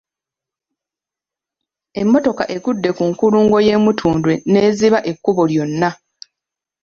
Emmotoka egudde ku nkulungo y'e Mutundwe n'eziba ekkubo lyonna.